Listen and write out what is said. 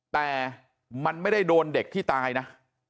แต่มันไม่ได้โดนเด็กที่ตายนะ